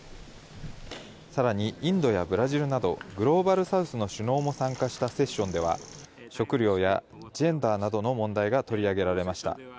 さらに、インドやブラジルなど、グローバルサウスの首脳も参加したセッションでは、食料やジェンダーなどの問題が取り上げられました。